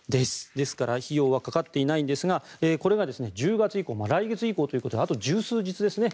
ですから費用はかかっていないんですがこれが１０月以降来月以降ということであと１０数日ですね。